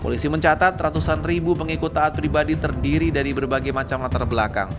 polisi mencatat ratusan ribu pengikut taat pribadi terdiri dari berbagai macam latar belakang